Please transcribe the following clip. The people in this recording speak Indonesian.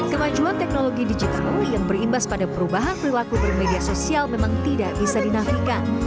kemajuan teknologi digital yang berimbas pada perubahan perilaku bermedia sosial memang tidak bisa dinafikan